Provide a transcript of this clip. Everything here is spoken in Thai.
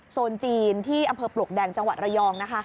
โซนจีนที่อำเภอปลวกแดงจังหวัดระยองนะคะ